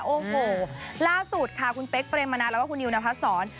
โอ้โหล่าสุดค่ะคุณเป๊กเปรมมะนาแล้วก็คุณนิวนพัดศร